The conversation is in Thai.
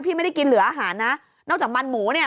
ไม่ได้กินเหลืออาหารนะนอกจากมันหมูเนี่ย